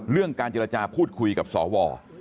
เรื่องการเจรจาพูดคุยกับสว